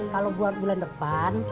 kalau buat bulan depan